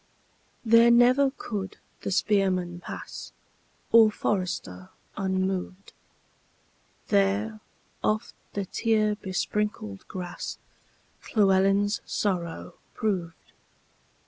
There never could the spearman pass, Or forester, unmoved; There oft the tear besprinkled grassLlewelyn's sorrow proved.